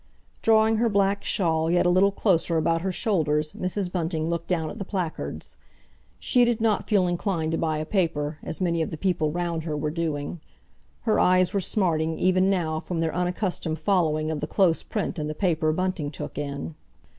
Drawing her black shawl yet a little closer about her shoulders, Mrs. Bunting looked down at the placards. She did not feel inclined to buy a paper, as many of the people round her were doing. Her eyes were smarting, even now, from their unaccustomed following of the close print in the paper Bunting took in.